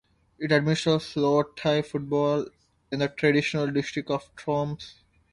It administers lower tier football in the traditional district of Troms.